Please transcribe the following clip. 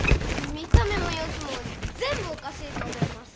見た目もようすもぜんぶおかしいと思います。